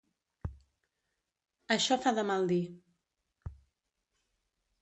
Això fa de mal dir.